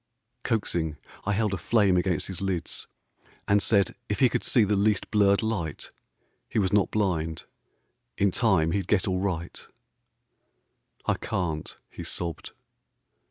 Coaxing, I held a flame against his lids And said if he could see the least blurred light He was not blind ; in time he'd get all right. 59 The Sentry. " I can't," he sobbed.